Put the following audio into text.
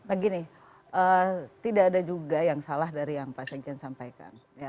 begini tidak ada juga yang salah dari yang pak sekjen sampaikan